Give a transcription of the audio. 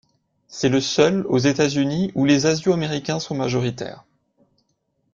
C'est le seul aux États-Unis où les Asio-Américains sont majoritaires.